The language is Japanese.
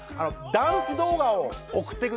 ダンス動画を送って下さい。